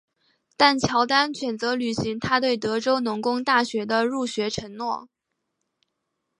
但乔丹选择履行他对德州农工大学的入学承诺。